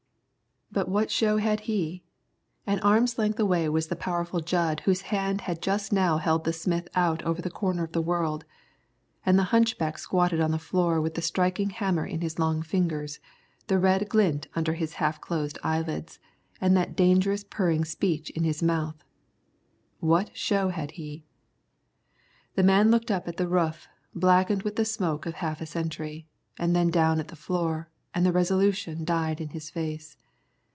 But what show had he? An arm's length away was the powerful Jud whose hand had just now held the smith out over the corner of the world; and the hunchback squatted on the floor with the striking hammer in his long fingers, the red glint under his half closed eyelids, and that dangerous purring speech in his mouth. What show had he? The man looked up at the roof, blackened with the smoke of half a century, and then down at the floor, and the resolution died in his face.